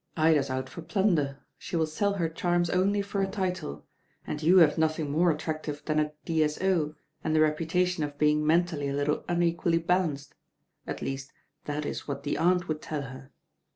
Ida's out for plunder, she will sell her charms only for a title, and you have nothing more attractive than a D.b.O. and the reputation of being mentally a little unequally balanced, at least that is what the Aunt would tell her.